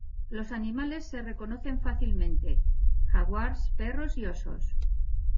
Los animales se reconocen fácilmente: jaguars, perros y osos.